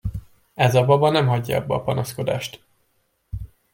Ez a baba nem hagyja abba a panaszkodást.